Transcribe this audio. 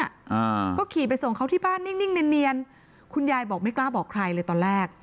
อ่าก็ขี่ไปส่งเขาที่บ้านนิ่งนิ่งเนียนคุณยายบอกไม่กล้าบอกใครเลยตอนแรก